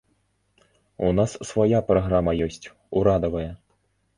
У нас свая праграма ёсць, урадавая.